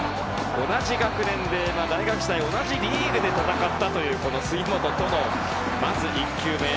同じ学年で大学時代同じリーグで戦ったというこの杉本とのまず１球目。